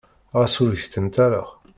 Ɣas ur gtent ara.